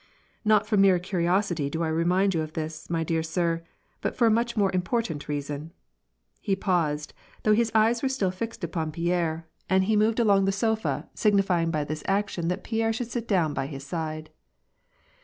"Not from mere curiosity do I remind you of this, my dear sir, but for a much more important reason." He paused, though his eyes were still fixed upon Pierre, and 70 WAR AND PEACE. he moved along on the sofa, signifying by this action that Pierre should sit down by his side.